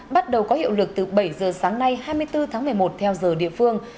bắt đầu có hiệu lực từ bảy giờ sáng nay hai mươi bốn tháng một mươi một theo giờ địa phương